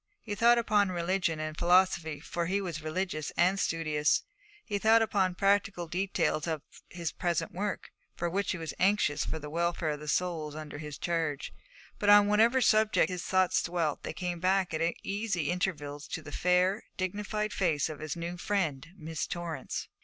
He thought upon religion and philosophy, for he was religious and studious; he thought upon practical details of his present work, for he was anxious for the welfare of the souls under his charge; but on whatever subject his thoughts dwelt, they came back at easy intervals to the fair, dignified face of his new friend, Miss Torrance.